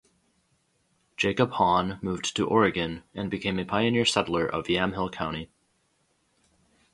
Jacob Hawn moved to Oregon and became a pioneer settler of Yamhill County.